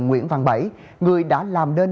nguyễn văn bảy người đã làm nên